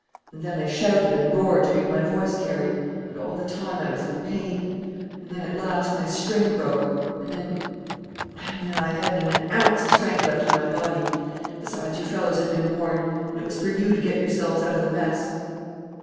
And then I shouted and roared to make my voice carry; and, all the time, I was in pain. And then, at last, my string broke.... And then and then I hadn't an ounce of strength left in my body. Besides, you fellows had been warned; and it was for you to get yourselves out of the mess."